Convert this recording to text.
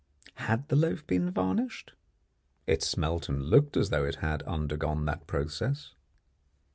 Had the loaf been varnished? It smelt and looked as though it had undergone that process.